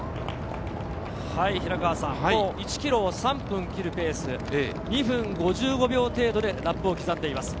今１ｋｍ３分切るペース、２分５５秒程度でラップを刻んでいます。